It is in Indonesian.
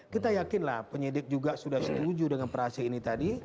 kita yakinlah penyidik juga sudah setuju dengan prase ini tadi